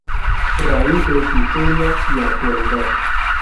Raíces, historia y actualidad".